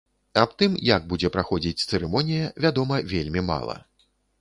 Аб тым, як будзе праходзіць цырымонія, вядома вельмі мала.